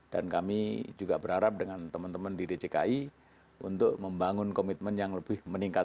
dan kami juga berharap dengan teman teman di dgki untuk membangun komitmen yang lebih meningkat lagi